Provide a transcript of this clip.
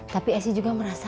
tapi esi juga merasa